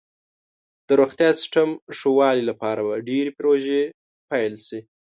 د روغتیا سیستم ښه والي لپاره به ډیرې پروژې پیل شي.